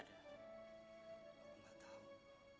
aku gak tahu